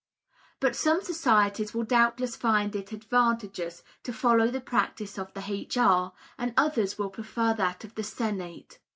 But some societies will doubtless find it advantageous to follow the practice of the H. R., and others will prefer that of the Senate.